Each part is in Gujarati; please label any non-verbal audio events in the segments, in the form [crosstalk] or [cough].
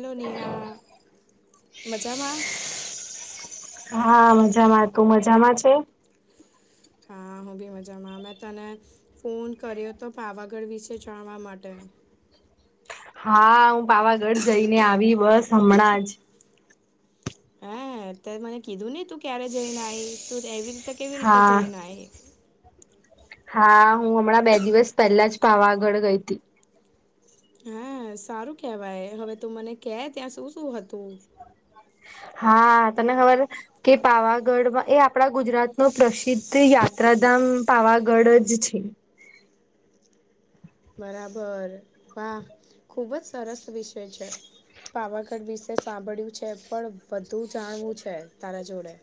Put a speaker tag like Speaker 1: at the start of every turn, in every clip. Speaker 1: લો ને, મજામાં?
Speaker 2: હા, મજામાં. તું મજામાં છે?
Speaker 1: હા, હું બી મજામાં. મે તને ફોન કર્યોતો, પાવાગઢ વિશે જાણવા માટે.
Speaker 2: હા, હું પાવાગઢ જઈને આવી, બસ હમણાંજ.
Speaker 1: હ, તે મને કીધું નઈ, તું ક્યારે જઈને આયી? તું એવી રીતે કેવી રીતે
Speaker 2: હા
Speaker 1: જઈને આયી?
Speaker 2: હા, હું હમણાં બે દિવસ પહેલા જ પાવાગઢ ગઈતી.
Speaker 1: હમ, સારું કેવાય. હવે તું મને કે ત્યાં સુ સુ હતું?
Speaker 2: હા, તને ખબર કે પાવાગઢમાં, એ આપણા ગુજરાતનું પ્રસિદ્ધ યાત્રાધામ પાવાગઢ જ છે.
Speaker 1: બરાબર, વાહ, ખુબજ સરસ વિષય છે. પાવાગઢ વિસે સાંભળ્યું છે, પણ બધુ જાણવું છે, તારા જોડે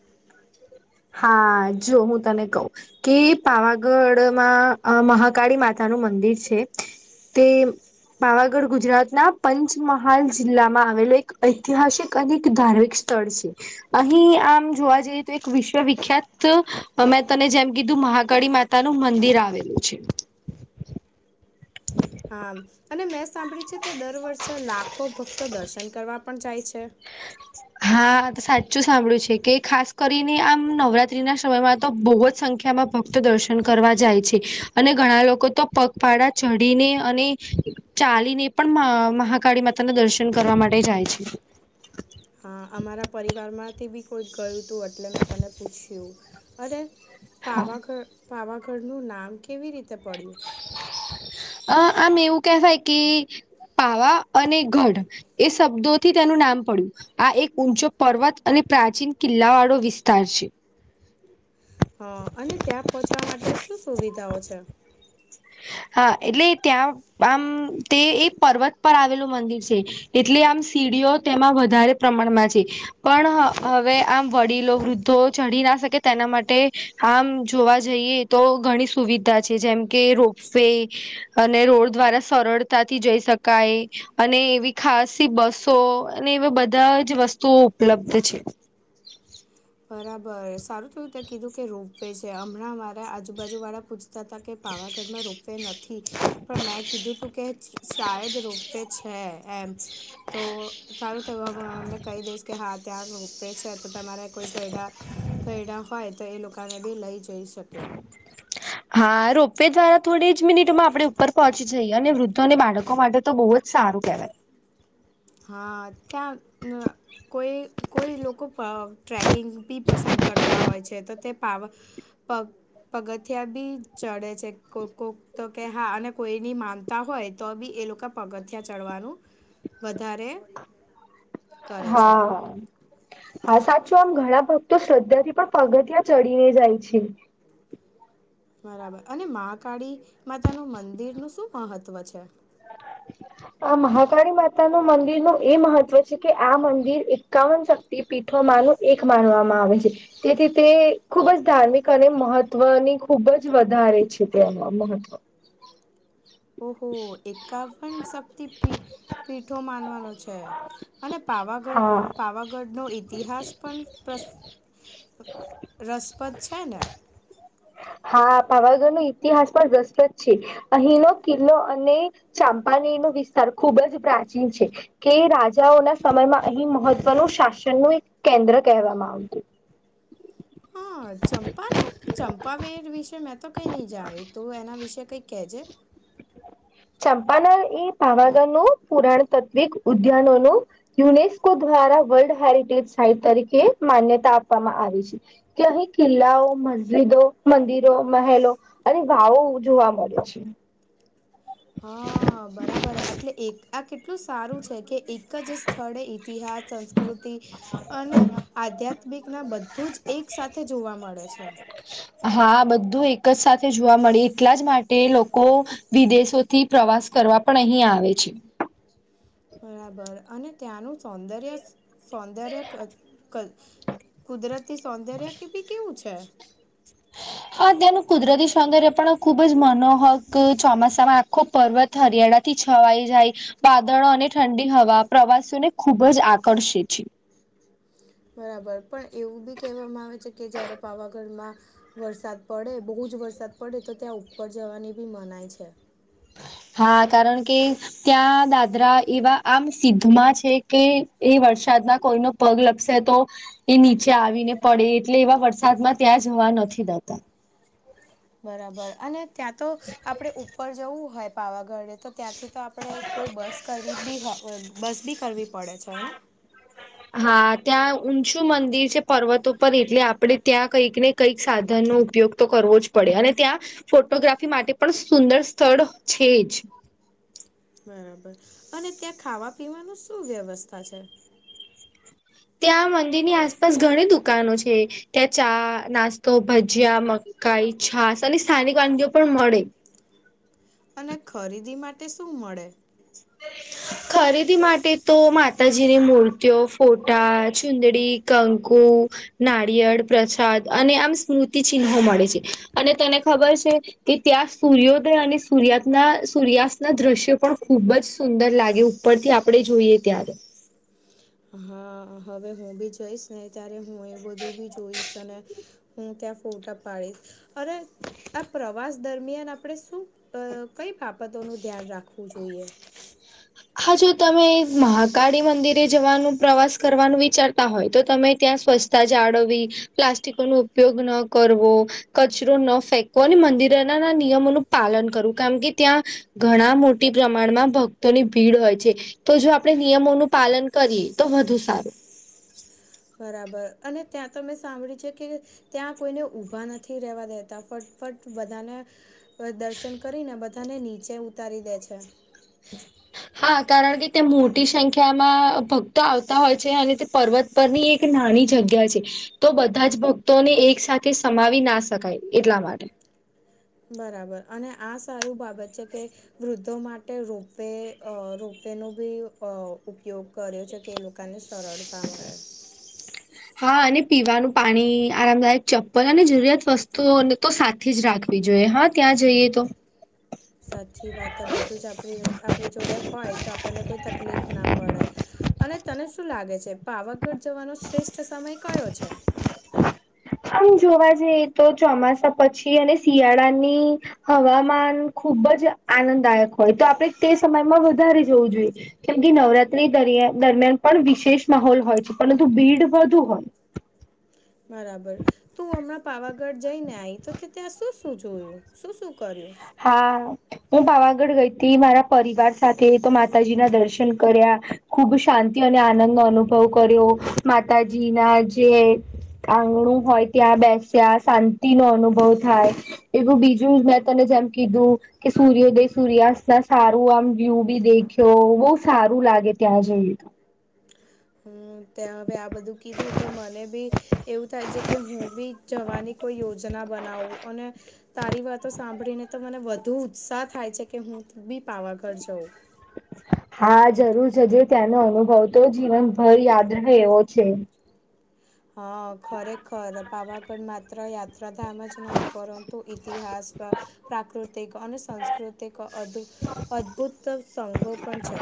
Speaker 2: હા, જો હું તને કહું. કે પાવાગઢમાં અ મહાકાળી માતાનું મંદિર છે, તેમ પાવાગઢ ગુજરાતના પંચમહાલ જિલ્લામાં આવેલુ એક ઐતિહાશીક અને એક ધાર્મિક સ્થળ છે, અહી આમ જોવા જઈએ તો એક વિશ શ્વ વિખ્યાત, અ મેં તને જેમ કીધું, મહાકાળી માતાનું મંદિર આવેલું છે.
Speaker 1: હામ અને મેં સાંભળ્યું છે ત્યાં દર વર્ષે લાખો ભક્તો દર્શન કરવા પણ જાય છે?
Speaker 2: હા, સાચું સાંભળ્યું છે, કે ખાસ કરીને આમ નવરાત્રીના શમયમાં તો બહુ જ સંખ્યામાં ફક્ત દર્શન કરવા જાય છે, અને ઘણા લોકો તો પગપાળા ચઢીને અને ચાલી ને પણ મ મહાકાળી માતાના દર્શન કરવા માટે જાય છે.
Speaker 1: હા, અમારા પરિવારમાંથી બી કોઈક ગયુતું. એટલે મેં તને પૂછ્યું, અરે!
Speaker 2: હા
Speaker 1: પાવાગ, પાવાગઢ નું નામ કેવી રીતે પડ્યું?
Speaker 2: અ આમ એવું કહેવાય કે પાવા અને ગઢ એ સબ્દોથી તેનું નામ પડ્યું. આ એક ઊંચો પર્વત અને પ્રાચીન કિલ્લાવાળો વિસ્તાર છે.
Speaker 1: હા, અને ત્યાં પહોંચવા માટે સુ સુવિધાઓ છે?
Speaker 2: હા, એટલે ત્યાં આમ, તે એ પર્વત પર આવેલું મંદિર છે, એટલે આમ સીડીઓ તેમાં વધારે પ્રમાણમાં છે. પણ હ, હવે આમ, વડીલો વૃદ્ધો ચઢી ના સકે તેના માટે આમ જોવા જઈએ તો ઘણી સુવિધા છે, જેમ કે રોપ વે અને રોડ દ્વારા સરળતાથી જઈ સકાય. અને એવી ખાસી બસો અને એવા બધા જ વસ્તુઓ ઉપલબ્ધ છે.
Speaker 1: બરાબર. સારું થયું તે કીધું કે, રોપ વે છે, હમણાં મારા આજુબાજુ વાળા પુછ તાતા કે પાવાગઢમાં રોપવે નથી, પણ મેં કીધું તું કે છ શાયદ રોપવે છે, એમ, તો સારું થયું, હવ એમને કહી દઈશ કે, હા, ત્યાં રોપવે છે, તો તમારે કોઈ ગયઢા, ગયઢા હોય તો એ લોકાને બી લઈ જઈ શકે.
Speaker 2: હા, રોપવેે દ્વારા થોડી જ મિનિટોમાં આપણે ઉપર પહોંચી જઈએ, અને વૃદ્ધો અને બાળકો માટે તો બહુ અ જ સારું કહેવાય.
Speaker 1: હા, ત્યાં ન કોઈ કોઈ લોકો પા ટ્રેકિંગ બી પસંદ કરતા હોય છે તો તે પાવા પ પગથિયા બી ચડે છે, કોક કોક તો કે, હા, અને કોઈની માનતા હોય તો બી એ લોકા પગથિયાં ચડવાનું વધારે કરે છે
Speaker 2: હા હા, સાચું. આમ ઘણા ભક્તો શ્રદ્ધા થી પણ પગથીયાં ચડીને જાય છે.
Speaker 1: બરાબર, અને મહાકાળી માતાનું મંદિર નું સુ મહત્વ છે?
Speaker 2: [inaudible] આ મહાકાળી માતા નું મંદિર નું એ મહત્વ છે, કે આ મંદિર એકાવન... તે પીઠો માનું એક માનવામાં આવે છે. તેથી તે ખૂબ જ ધાર્મિક અને મહત્વની ખુબ જ વધારે છે, તે એમાં મહત્વ
Speaker 1: ઓહો એકાવન શક્તિ પી પીઠો માનવાનો છે. અને પાવાગઢ
Speaker 2: હા
Speaker 1: પાવાગઢનો ઇતિહાસ પણ [unintelligible] રસપદ છેને!
Speaker 2: હા પાવાગઢ નો ઇતિહાસ પણ રસપ્રદ છે, અહીંનો કિલ્લો અને ચાંપાનેર નો વિસ્તાર ખુબ જ પ્રાચીન છે. કે રાજાઓના સમયમાં અહીં મહત્વનું શાસનનું એક કેન્દ્ર કહેવામાં આવતું.
Speaker 1: હા ચંપાનેર ચંપાવેર વિશે મેં તો કઈ નહી જાણ્યું તું એના વિશે કઈ કે છે?
Speaker 2: ચાંપાનેર એ પાવાગઢ નું પુરાણ તત્વિક ઉદ્યાનો [unintelligible] યુનેસ્કો દ્વારા વર્લ્ડ હેરિટેજ સાઈટ તરીકે માન્યતા આપવામાં આવી છે. તહી કિલ્લાઓ મસ્જિદો મંદિરો, મહેલો, અને વાવો જોવા મળે છે.
Speaker 1: હા બરાબર એટલે એક આ કેટલું સારું છે, કે એક જ સ્થળે ઇતિહાસ સંસ્કૃતિ અને આધ્યાત્મિક ના બધું જ એક સાથે જોવા મળે છે.
Speaker 2: હા બધું એક જ સાથે જોવા મળે એટલા જ માટે લોકો વિદેશો થી પ્રવાસ કરવા પણ અહીં આવે છે.
Speaker 1: બરાબર અને ત્યાંનું સૌંદર્ય સૌંદર્ય કુદરતી સૌંદર્ય કીપી કેવું છે?
Speaker 2: અ અત્યંનું કુદરતી સૌંદર્ય પણ ખુબ જ મનોહક ચોમાસામાં આખો પર્વત હરિયાણા થી છવાઈ જાય વાદળો અને ઠંડી હવા પ્રવાસીઓને ખુબ જ આકર્ષે છે.
Speaker 1: બરાબર પણ એવું બી કહેવામાં આવે છે, કે જયારે પાવાગઢમાં વરસાદ પડે બહુ જ વરસાદ પડે તો ત્યાં ઉપર જવાની બી મનાય છે.
Speaker 2: હા કારણ કે ત્યાં દાદરા એવા આમ સિદ્ધમાં છે, કે એ વરસાદના કોઈનો પગ લગશે તો એ નીચે આવીને પડે એટલે એવા વરસાદમાં ત્યાં જવા નથી દેતા
Speaker 1: બરાબર અને ત્યાં તો આપણે ઉપર જવું હોય પાવાગઢે તો ત્યાંથી તો આપણે કોઈ બસ કરવી બી હો બસ બી કરવી પડે છે, હેને
Speaker 2: હા ત્યાં ઊંચું મંદિર છે, પર્વતો પરર એટલે આપડે ત્યાં કંઈકને કંઈક સાધનનો ઉપયોગ તો કરવો જ પડે અને ત્યાં ફોટોગ્રાફી માટે પણ સુંદર સ્થળ છે, જ
Speaker 1: બરાબર અને ત્યાં ખાવા પીવાનું શું વ્યવસ્થા છે.
Speaker 2: ત્યાં મંદિર ની આસપાસ ઘણી દુકાનો છે. ત્યાં ચા નાસ્તો, ભજીયા, મકાઈ, છાસ અને સ્થાનિક વાનગીઓ પણ મળે
Speaker 1: અને ખરીદી માટે શું મળે
Speaker 2: હ [unintelligible] ખરીદી માટે તો માતાજીની મૂર્તિઓ ફોટા ચુંદડી કંકુ નારિયેળ પ્રસાદ અને આમ સ્મૃતિ ચિહ્નો મળે છે, અને તને ખબર છે. કે ત્યાં સૂર્યોદય અને સૂર્યાના સૂર્યાસ્ત ના દ્રશ્યો પણ ખૂબ જ સુંદર લાગે ઉપરથી આપડણે જોઈએ ત્યારે
Speaker 1: હા હવે હું બી જોઈશ ત્યારે હું એ બધું બી જોઈશ અને હું ત્યાં ફોટા પાડીશ અરે આ પ્રવાસ દરમિયાન આપણે શું કઈ બાબતો નું ધ્યાન રાખવું જોઈએ.
Speaker 2: હા જો તમે મહાકાળી મંદિરે જવાનું પ્રવાસ કરવાનું વિચારતા હોય તો તમે ત્યાં સ્વસ્ જાળવવી પ્લાસ્ટિક નો ઉપયોગ ન કરવો. કચરો ન ફેંકવો અને મંદિરોના ના નિયમોનું પાલન કરવું કામ કે ત્યાં ઘણા મોટી પ્રમાણમાં ભક્તોની ભીડ હોય છે, તો જો આપણે નિયમોનું પાલન કરીએ તો વધુ સારું
Speaker 1: બરાબર અને ત્યાં તો મેં સાંભળ્યું છે, કે ત્યાં કોઈને ઊભા નથી રેવા દેતા ફટફટ બધાને દર્શન કરીને બધાને નીચે ઉતારી દે છે.
Speaker 2: [inaudible] હા કારણ કે ત્યા મોટી સંખ્યામાં ભક્તો આવતા હોય છે, અને તે પર્વત પરની એક નાની જગ્યા છે, તો બધા જ ભક્તોને એક સાથે સમાવી ના શકાય એટલા માટે
Speaker 1: બરાબર અને આ સારું બાબત છે, કે વૃદ્ધો માટે રોપવે રોપવે નો બી ઉપયોગ કર્યો છે, કે એ લોકોને સરળતા મળે
Speaker 2: હા અને પીવાનું પાણી આરામદાયક ચપ્પલ અને જરૂરિયાત વસ્તુઓને તો સાચ થી જ રાખવી જોઈએ હા ત્યાં જઈએ તો
Speaker 1: સાચી વાત બધું જ આપ આપણી જોડે હોય તો આપણને કોઈ તકલીફ ના પડે અને તને શું લાગે છે, પાવાગઢ જવાનો શ્રેષ્ઠ સમય કયો છે.
Speaker 2: આમ જોવા જઈએ તો ચોમાસા પછી અને શિયાળાની હવામાન ખુબ જ આનંદદાયક હોય તો આપડણે તે સમયમાં વધારે જવું જોઈએ. કેમ કે નવરાત્રીરિયા દરમિયાન પણ વિશેષ માહોલ હોય છે, પરંતુ ભીડ વધુ હોય
Speaker 1: બરાબર તું હમણાં પાવાગઢ જઈને આઈ તો ત્યાં શું શું જોયું? શું -શું કરીયું
Speaker 2: હા હું પાવાગઢ ગઈ હતી મારા પરિવાર સાથે તો માતાજી ના દર્શન કર્યા ખૂબ શાંતિ અને આનંદનો અનુભવ કર્યો માતાજી ના જે આંગણું હોય ત્યાં બેસ્યા શાંતિ નો અનુભવ થાય એવું બીજું તને જેમ કીધું કે સૂર્યોદય સૂર્યાસ્ત સારું આમ વ્યુ બી દેખ્યો બહુ સારું લાગે ત્યાં જઈએ તો
Speaker 1: હું ત્યાં હવે આ બધું કીધું તો મને બી એવું થાય છે કે હું બી જવાની કોઈ યોજના બનાવું અને તારી વાતો સાંભળીને તો મને વધુ ઉત્સાહ થાય છે કે હું બી પાવાગઢ જઉં
Speaker 2: હા જરૂર છેજ ત્યાંનો અનુભવ તો જીવનભર યાદ રહે એવો છે
Speaker 1: હા ખરેખર પાવાગઢ માત્ર યાત્રાધામ જ નહી પરંતુ ઇતિહાસ પ્રાકૃતિક અને સાસ્કૃતિક અદભુત સોંગો પણ છે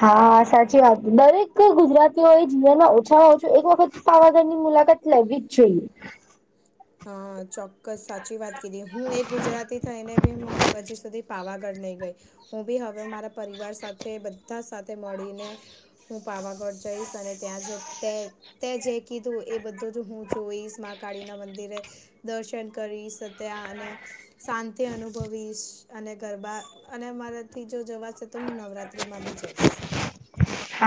Speaker 2: હા સાચી વાત દરેક ગુજરાતીઓ એ જીના ઓછામાં ઓછો એક વખત પાવાગઢ ની મુલાકાત લેવી જ જોઈએ
Speaker 1: હા ચોક્કસ સાચી વાત કીધી હું એ ગુજરાતી થઈને બી હું હજી સુધી પાવાગઢ નહી ગઈ હું બી હવે મારા પરિવાર સાથે સાથે મળીને હું પાવાગઢ જઈશ અને ત્યાં જે તે તે જે કીધું એ બધો જ હું જો એમા કડી ના મંદિરે દર્શન કરી સત્યા અને શાંતિ અનુભવીશ અને ગરબા અને અ મારાથી જો જવાશે તો હું નવરાત્રી માં બી જઈશ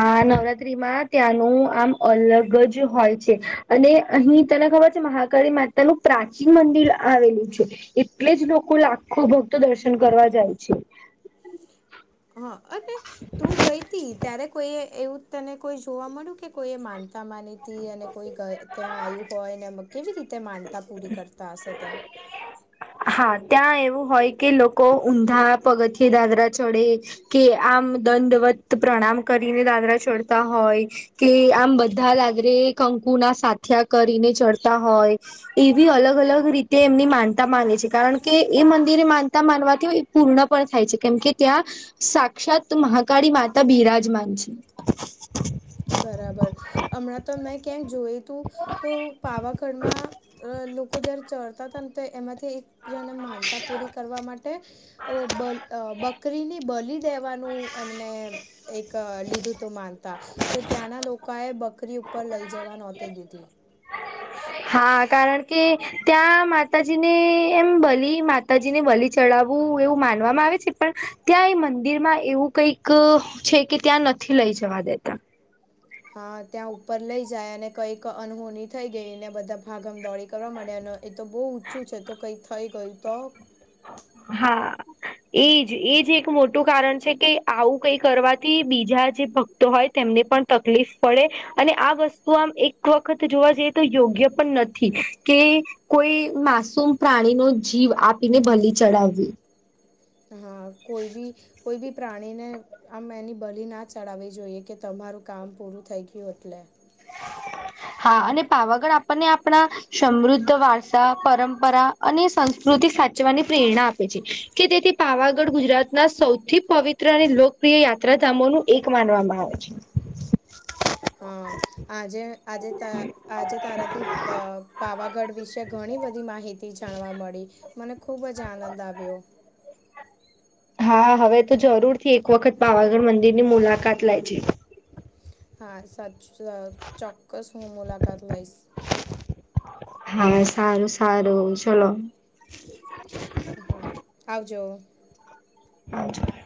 Speaker 2: આ નવરાત્ર્રીમાં ત્યાંનું આમ અલગ જ હોય છે અને અહી તને ખબર છે મહા માતા નું પ્રાચીન મંદિર આવેલું છે એટલે જ લોકો લાખો ભક્તો દર્શન કરવા જાય છે
Speaker 1: હા અને તું ગઈ હતી ત્યારે કોઈ એવું તને કોઈ જોવા મળ્યું કે કોઈ માનતા માનીતી અને કોઈ ત્યાં આયુ કોય ને કેવી રીતે માનતા પૂરી કરતા હશે ત્યાં
Speaker 2: હા ત્યાં એવું હોય કે લોકો ઊંધા પગથ દાદરા ચડે કે આમ દડવત પ્રણામ કરીને દાદરા ચડતા હોય કે આમ બધા દાદરે કંકુ ના સાથીયા કરીને ચડતા હોય એવી અલગ અલગ રીતે એમની માનતા માને છે. કારણ કે એ મંદિરે માનતા માનવાથી એ પૂર્ણ પણ થાય છે કેમ કે ત્યાં સાક્ષાત મહાકાળી માતા બિરાજમાન છે.
Speaker 1: બરાબર હમણાં તો મેં ક્યાંક જોયું તું તો પાવાગઢ લોકો જયારે ચઢતા હતા ને એમાંથી એક જેને માનતા પૂરી કરવા માટે બકરીને બલી દેવાનું એમને એક લીધું તો માનતા તો ત્યાંના લોકો એ બકરી ઉપર લઈ જવા નહોતી દીધી
Speaker 2: હા કારણ કે ત્યાં માતાજી ને એમ બલી માતાજી ને બલી ચડાવવું એવું માનવામાં આવે છે પણ ત્યાં એ મંદિરમાં એવું કંઈક છે કે ત્યાં નથી નથી લઈ જવા દેતા
Speaker 1: હા ત્યાં ઉપર લઈ જાય અને કંઈક અનહોની થઈ ગઈ ને બધા ભાગમ દોડી કરવા માંડયા અને એ તો બહુ ઊંચું છે તો કંઈ થઈ ગયું તો
Speaker 2: હા એજ એજ એક મોટું કારણ છે કે આવું કઈ કરવાથી બીજા જે ભક્તો હોય તેમને પણ તકલીફ પડે અને આ વસ્તુ આમ એક વખત જોવા જઈએ તો યોગ્ય પણ નથી કે કોઈ માસૂમ પ્રાણી નો જીવ આપીને બલી ચડાવવી
Speaker 1: હા કોઈ બી કોઈ બી પ્રાણી ને આમ એની બલી ના ચડાવવી જોઈએ કે તમારું કામ પૂરું થઈ ગયું એટલે
Speaker 2: હા અને પાવાગઢ આપણને આપણા સમૃદ્ધ વારસા પરંપરા અને સંસ્કૃતિ સાચવાની પ્રેરણા આપે છે. કે તેથી પાવાગઢ ગુજરાતના સૌથી પવિત્ર અને લોકપ્રિય યાત્રાધામો ન એક માનવામાં આવે છે.
Speaker 1: હા આજે આજે ત આજે તારાથી પાવાગઢ વિશે ઘણી બધી માહિતી જાણવા મળી મને ખૂબ જ આનંદ આવ્યો
Speaker 2: હા હવે તો જરૂરથી એક વખત પાવાગઢ મંદિર ની મુલાકાત લેજે
Speaker 1: હા સાચુ ચોક્કસ હું મુલાકાત લઈશ
Speaker 2: હા સારું સારું ચલો
Speaker 1: હા આવજો
Speaker 2: [unintelligible]